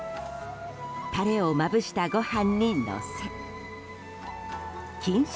タレをまぶしたご飯にのせ錦糸